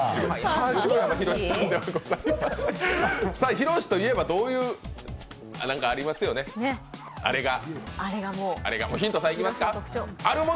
ひろしといえばどういう、何かありますよね、あれが。